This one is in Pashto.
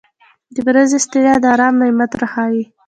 • د ورځې ستړیا د آرام نعمت راښیي.